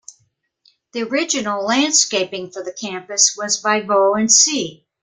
The original landscaping for the campus was by Vaux and C.